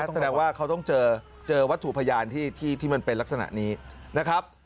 แสดงว่าเขาต้องเจอวัตถุพยานที่มันเป็นลักษณะนี้นะครับ